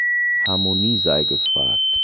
Harmonie sei gefragt.